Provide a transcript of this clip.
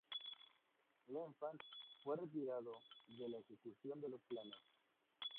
L'Enfant fue retirado de la ejecución de los planos.